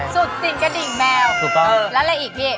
สุดสิ่งกระดิ่งแมวและอะไรอีกพี่